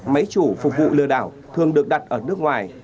máy chủ phục vụ lừa đảo thường được đặt ở nước ngoài